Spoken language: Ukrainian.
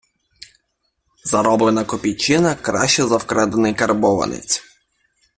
Зароблена копійчина краща за вкрадений карбованець